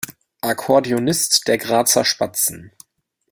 Akkordeonist der Grazer Spatzen.